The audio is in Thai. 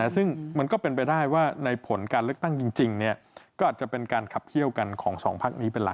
ซึ่งมันก็เป็นไปได้ว่าในผลการเลือกตั้งจริงก็อาจจะเป็นการขับเขี้ยวกันของสองพักนี้เป็นหลัก